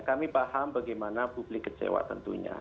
kami paham bagaimana publik kecewa tentunya